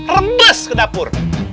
rebes ke dapur